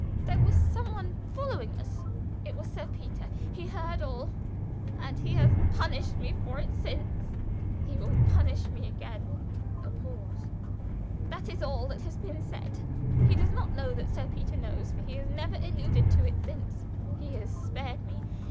There was some one following us. It was Sir Peter. He heard all, and he has punished me for it since. He will punish me again." A pause. "That is all that has been said. He does not know that Sir Peter knows, for he has never alluded to it since. He has spared me.